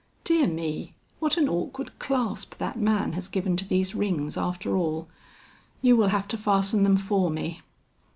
Dear me! what an awkward clasp that man has given to these rings after all. You will have to fasten them for me."